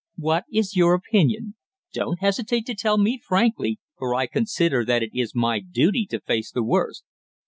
What is your opinion? Don't hesitate to tell me frankly, for I consider that it is my duty to face the worst."